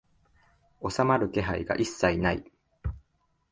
収まる気配が一切ない